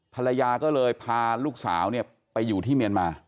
ภรรยาก็เลยพาลูกสาวไปอยู่ที่เมียนมา